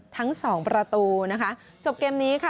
ทั้งสองประตูนะคะจบเกมนี้ค่ะ